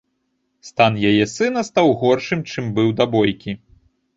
Стан яе сына стаў горшым, чым быў да бойкі.